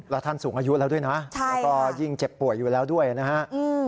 แล้วท่านสูงอายุแล้วด้วยนะแล้วก็ยิ่งเจ็บป่วยอยู่แล้วด้วยนะฮะ